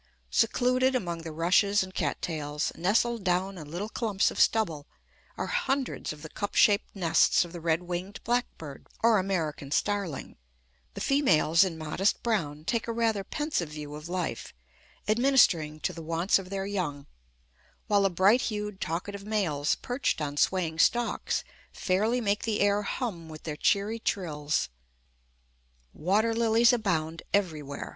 Secluded among the rushes and cat tails, nestled down in little clumps of stubble, are hundreds of the cup shaped nests of the red winged blackbird, or American starling; the females, in modest brown, take a rather pensive view of life, administering to the wants of their young; while the bright hued, talkative males, perched on swaying stalks, fairly make the air hum with their cheery trills. Water lilies abound everywhere.